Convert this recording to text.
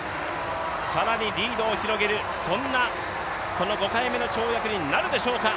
更にリードを広げる、そんなこの５回目の跳躍になるでしょうか。